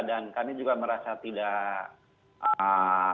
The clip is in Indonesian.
dan kami juga merasa tidak rugi atau merasa